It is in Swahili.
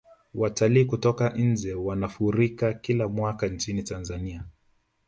watalii kutoka nje wanafurika kila mwaka nchini tanzania